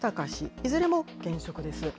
いずれも現職です。